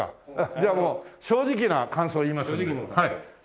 じゃあもう正直な感想を言いますので。